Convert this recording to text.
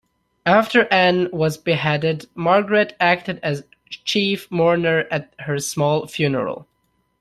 After Anne was beheaded, Margaret acted as chief mourner at her small funeral.